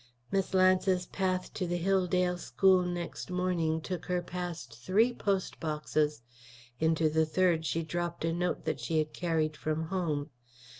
Miss Lance's path to the Hilldale School next morning took her past three post boxes. Into the third she dropped a note that she had carried from home.